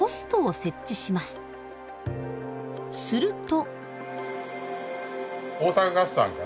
すると。